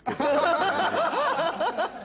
ハハハハ。